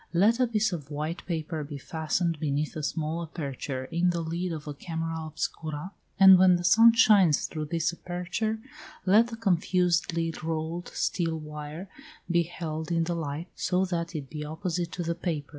Let a piece of white paper be fastened beneath a small aperture in the lid of a camera obscura, and when the sun shines through this aperture, let the confusedly rolled steel wire be held in the light, so that it be opposite to the paper.